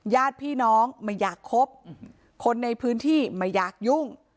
ญาติพี่น้องไม่อยากคบคนในพื้นที่ไม่อยากยุ่ง